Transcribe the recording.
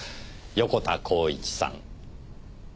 横田幸一さん。